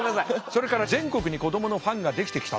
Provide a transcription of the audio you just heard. それから全国に子どものファンができてきたと。